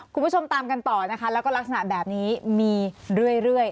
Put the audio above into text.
คุณผู้ชมตามกันต่อนะคะแล้วก็ลักษณะแบบนี้มีเรื่อย